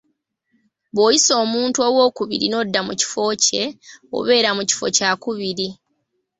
Bw'oyisa omuntu owookubiri n'odda mu kifo kye, obeera mu kifo kyakubiri.